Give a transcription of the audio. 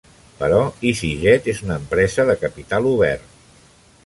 Però EasyJet és una empresa de capital obert.